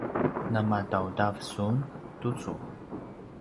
namadaudav sun tucu?